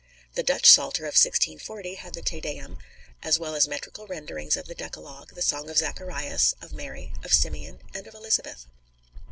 The Dutch Psalter of 1640 had the Te Deum, as well as metrical renderings of the Decalogue, the Song of Zacharias, of Mary, of Simeon, and of Elizabeth.